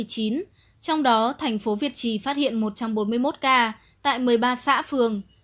trong đó tp việt trì phát hiện một trăm bốn mươi một ca tại một mươi ba xã phường